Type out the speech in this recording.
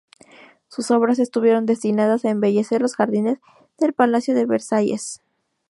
Sus obras estuvieron destinadas a embellecer los jardines del Palacio de Versailles.